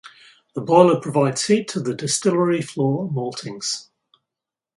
The boiler provides heat to the distillery floor maltings.